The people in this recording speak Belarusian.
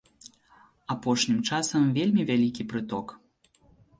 Апошнім часам вельмі вялікі прыток.